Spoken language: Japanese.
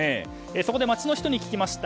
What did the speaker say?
そこで、街の人に聞きました。